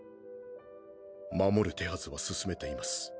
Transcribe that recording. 守る手筈は進めています。